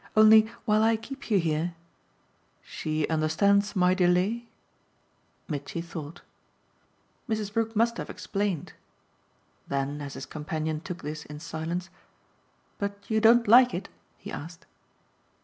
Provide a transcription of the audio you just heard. Only, while I keep you here " "She understands my delay?" Mitchy thought. "Mrs. Brook must have explained." Then as his companion took this in silence, "But you don't like it?" he asked.